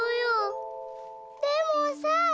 「でもさ」。